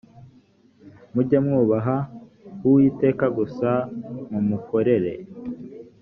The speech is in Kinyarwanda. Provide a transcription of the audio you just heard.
mujye mwubaha uwiteka gusa mumukorere